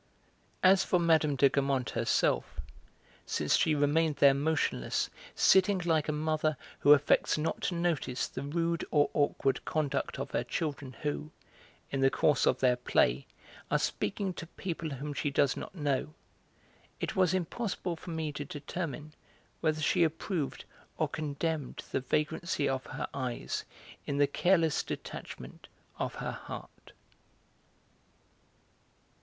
As for Mme. de Guermantes herself, since she remained there motionless, sitting like a mother who affects not to notice the rude or awkward conduct of her children who, in the course of their play, are speaking to people whom she does not know, it was impossible for me to determine whether she approved or condemned the vagrancy of her eyes in the careless detachment of her heart.